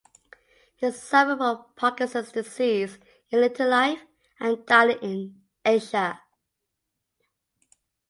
He suffered from Parkinson's disease in later life, and died in Esher.